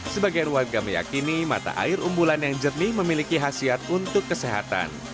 sebagian warga meyakini mata air umbulan yang jernih memiliki khasiat untuk kesehatan